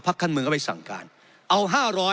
พักการเมืองเข้าไปสั่งการเอา๕๐๐